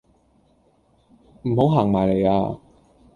唔好行埋嚟呀